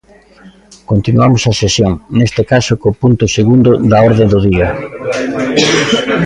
Continuamos a sesión, neste caso co punto segundo da orde do día.